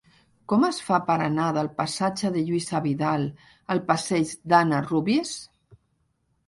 Com es fa per anar del passatge de Lluïsa Vidal al passeig d'Anna Rúbies?